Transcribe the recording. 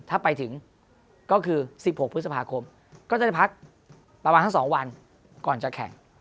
ถ้าไปถึงก็คือ๑๖พฤษภาคมก็จะได้พักประมาณทั้ง๒วันก่อนจะแข่ง